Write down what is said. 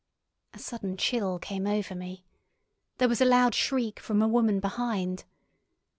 A sudden chill came over me. There was a loud shriek from a woman behind.